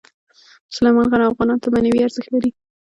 سلیمان غر افغانانو ته معنوي ارزښت لري.